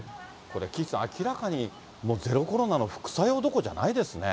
これ、岸さん、明らかにもう、ゼロコロナの副作用どころじゃないですね。